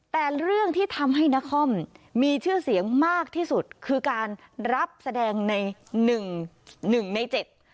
แต่เรื่องที่ทำให้นครมีชื่อเสียงมากที่สุดคือการรับแสดงในหนึ่งหนึ่งในเจ็ด